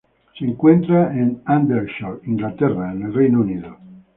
Se encuentra en Aldershot, Inglaterra en el Reino Unido.